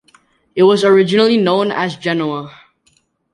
It was originally known as Genoa.